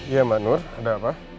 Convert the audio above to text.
iya mbak nur ada apa